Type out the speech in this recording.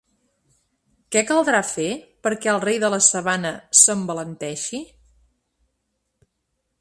Què caldrà fer perquè el rei de la sabana s’envalenteixi?